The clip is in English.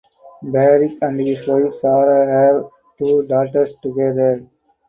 Barrick and his wife Sarah have two daughters together.